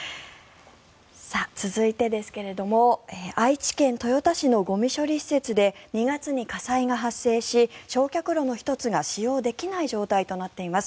続いてですが愛知県豊田市のゴミ処理施設で２月に火災が発生し焼却炉の１つが使用できない状態となっています。